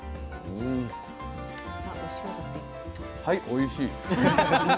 はいおいしい。